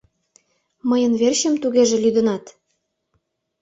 Мыйын верчем, тугеже, лӱдынат?